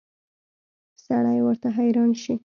سړی ورته حیران شي.